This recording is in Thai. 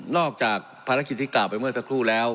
จากภารกิจที่กล่าวไปเมื่อสักครู่แล้ว